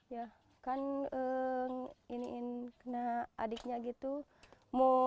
ya kan iniin kena adiknya gitu